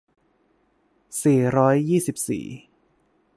สี่ร้อยยี่สิบสี่